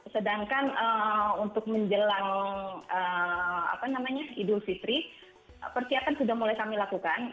sedangkan untuk menjelang idul fitri persiapan sudah mulai kami lakukan